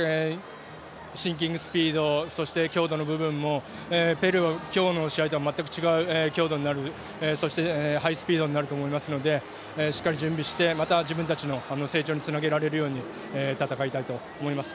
シンキングスピード強度の部分もペルーも今日の試合とはまったく違う強度になるハイスピードになると思うのでしっかり準備して自分たちの成長につなげられるように戦いたいと思います。